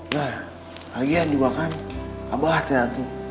nah lagi yang diwakan abah tia